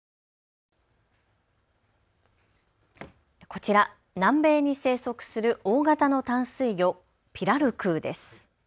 こちら、南米に生息する大型の淡水魚、ピラルクーです。